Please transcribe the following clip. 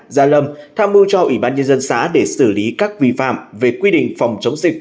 gia lâm tham mưu cho ủy ban nhân dân xã để xử lý các vi phạm về quy định phòng chống dịch